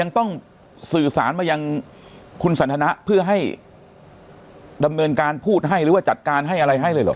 ต้องสื่อสารมายังคุณสันทนะเพื่อให้ดำเนินการพูดให้หรือว่าจัดการให้อะไรให้เลยเหรอ